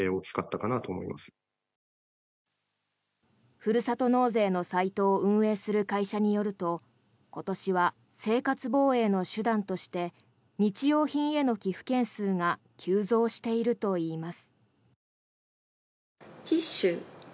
ふるさと納税のサイトを運営する会社によると今年は生活防衛の手段として日用品への寄付件数が急増しているといいます。